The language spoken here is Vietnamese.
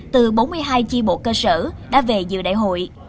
từ bốn mươi hai chi bộ cơ sở đã về dự đại hội